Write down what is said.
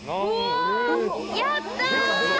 やった！